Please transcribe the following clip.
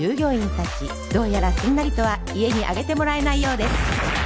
どうやらすんなりとは家に上げてもらえないようです